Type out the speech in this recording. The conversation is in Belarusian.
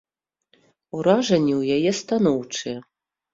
Уражанні ў яе станоўчыя.